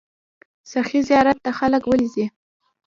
سخي زیارت ته خلک ولې ځي؟